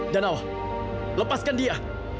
danawa lepaskan dia